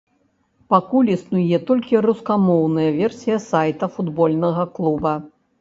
Пакуль існуе толькі рускамоўная версія сайта футбольнага клуба.